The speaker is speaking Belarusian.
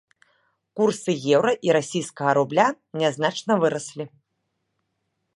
Курсы еўра і расійскага рубля нязначна выраслі.